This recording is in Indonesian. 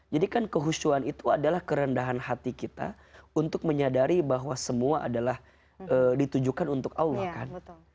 jadi kan kehusuan itu adalah kerendahan hati kita untuk menyadari bahwa semua adalah ditujukan untuk allah kan